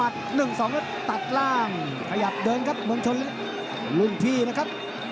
ตัดล่างขยับเดินครับเมืองชนเล็กรุ่นพี่นะครับ